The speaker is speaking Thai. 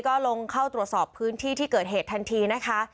ก็ลงเข้าตรวจสอบพื้นที่ที่เกิดเหตุทันทีนะคะ